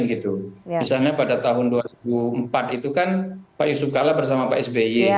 misalnya pada tahun dua ribu empat itu kan pak yusuf kalla bersama pak sby